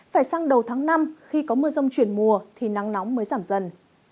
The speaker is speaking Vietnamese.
phải sang đầu tháng năm khi có mưa rông chuyển mùa thì nắng nóng mới giảm dần